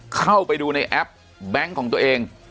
เข้าไปดูในแอปแบงค์ของตัวเอง